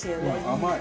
甘い。